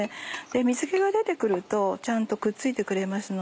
水気が出て来るとちゃんとくっついてくれます。